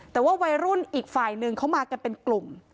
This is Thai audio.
แต่ว่าวัยรุ่นอีกฝ่ายหนึ่งเขามากันเป็นกลุ่ม